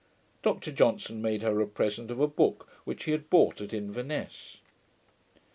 Dr Johnson made her a present of a book which he had bought at Inverness.